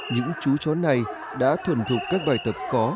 những chú chó này đã thuần thục các bài tập khó